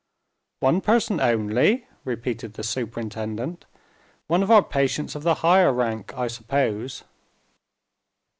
"One person only?" repeated the superintendent. "One of our patients of the higher rank, I suppose?"